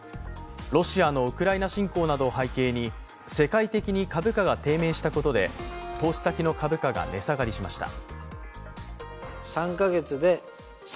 ロシアのウクライナ侵攻などを背景に世界的に株価が低迷したことで投資先の株価が値下がりしました。